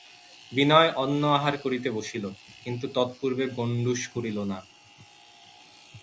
বিনয় অন্ন আহার করিতে বসিল, কিন্তু তৎপূর্বে গণ্ডূষ করিল না।